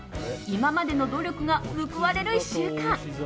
今までの努力が報われる１週間。